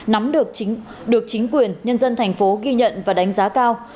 nắm được chính quyền nhân dân thành phố ghi nhận và đánh giá cao